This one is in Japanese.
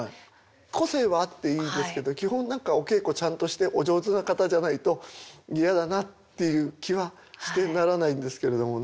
個性はあっていいんですけど基本お稽古ちゃんとしてお上手な方じゃないと嫌だなっていう気はしてならないんですけれどもね。